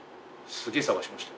すげえ探しましたよ。